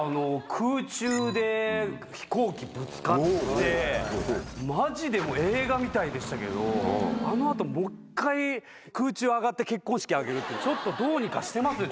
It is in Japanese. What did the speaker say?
空中で飛行機ぶつかってマジでもう映画みたいでしたけどあの後もう１回空中上がって結婚式挙げるってちょっとどうにかしてますね。